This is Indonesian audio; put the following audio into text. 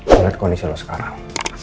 lihat kondisi lo sekarang